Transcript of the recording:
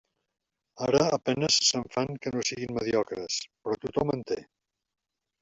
Ara a penes se'n fan que no siguin mediocres, però tothom en té.